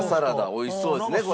おいしそうですねこれ。